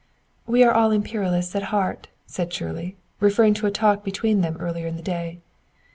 "We're all imperialists at heart," said Shirley, referring to a talk between them earlier in the day.